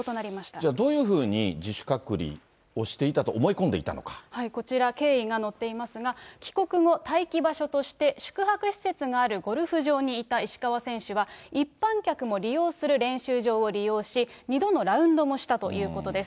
じゃあ、どういうふうに自主隔離をしていたと思い込んでいたこちら、経緯が載っていますが、帰国後、待機場所として宿泊施設があるゴルフ場にいた石川選手は、一般客も利用する練習場を利用し、２度のラウンドもしたということです。